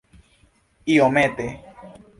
iomete